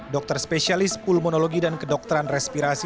dokter spesialis pulmonologi dan kedokteran respirasi